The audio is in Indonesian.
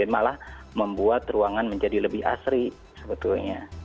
malah membuat ruangan menjadi lebih asri sebetulnya